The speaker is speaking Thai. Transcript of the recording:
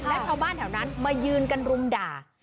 และชาวบ้านแถวนั้นมายืนกันรุมด่า